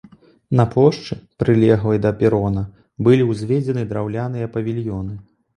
На плошчы, прылеглай да перона, былі ўзведзены драўляныя павільёны.